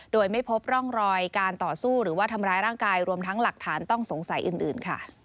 โดยไม่พบร่องรอยการต่อสู้หรือว่าทำร้ายร่างกายรวมทั้งหลักฐานต้องสงสัยอื่นค่ะ